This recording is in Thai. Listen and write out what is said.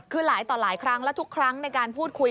คือหลายต่อหลายครั้งและทุกครั้งในการพูดคุย